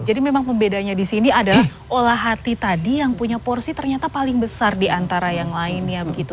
jadi memang pembedanya di sini adalah olah hati tadi yang punya porsi ternyata paling besar di antara yang lainnya begitu